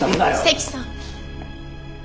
関さん。